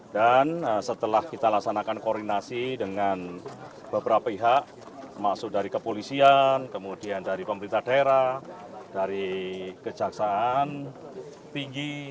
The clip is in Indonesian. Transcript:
dan setelah kita laksanakan koordinasi dengan beberapa pihak maksud dari kepolisian kemudian dari pemerintah daerah dari kejaksaan tinggi